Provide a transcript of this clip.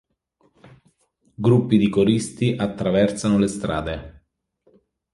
Gruppi di coristi attraversano le strade.